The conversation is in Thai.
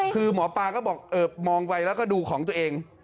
คือหมอปลาก็บอกมองไวแล้วก็ดูของตัวเอง